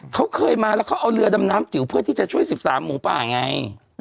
เขาเคยมาแล้วเขาเอาเรือดำน้ำจิ๋วเพื่อที่จะช่วย๑๓หมูป่าไง